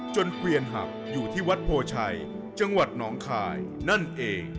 เกวียนหักอยู่ที่วัดโพชัยจังหวัดน้องคายนั่นเอง